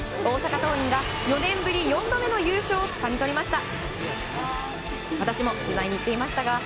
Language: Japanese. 大阪桐蔭が４年ぶり４度目の優勝をつかみ取りました。